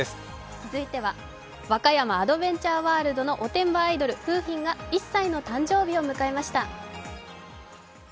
続いては和歌山アドベンチャーワールドのおてんばアイドル、楓浜が１歳の誕生日を迎えました。